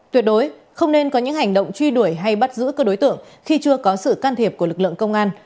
tuyệt đối không nên có những hành động truy đuổi hay bắt giữ cơ đối tượng khi chưa có sự can thiệp của lực lượng công an